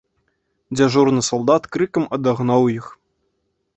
Дзяжурны салдат крыкам адагнаў іх.